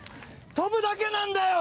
跳ぶだけなんだよ